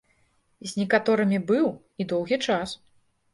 З некаторымі быў, і доўгі час.